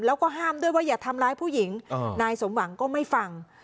แล้วก็ห้ามด้วยว่าอย่าทำร้ายผู้หญิงนายสมหวังก็ไม่ฟัง